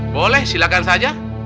boleh silahkan saja